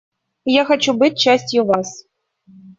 Я хочу быть частью вас.